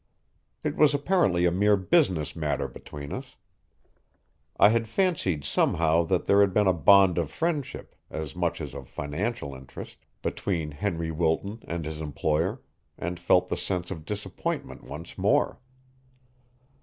It was apparently a mere business matter between us. I had fancied somehow that there had been a bond of friendship, as much as of financial interest, between Henry Wilton and his employer, and felt the sense of disappointment once more.